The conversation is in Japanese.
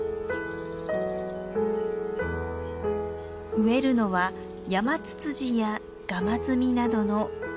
植えるのはヤマツツジやガマズミなどの低い木。